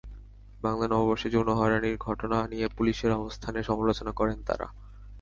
বাংলা নববর্ষে যৌন হয়রানির ঘটনা নিয়ে পুলিশের অবস্থানের সমালোচনা করেন তাঁরা।